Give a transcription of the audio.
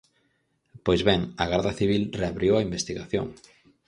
Pois ben, a Garda Civil reabriu a investigación.